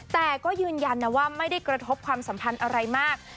แต่ก็ยืนยันนะว่าไม่ได้กระทบความสัมพันธ์อะไรมาก